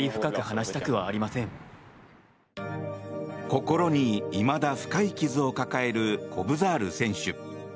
心にいまだ深い傷を抱えるコブザール選手。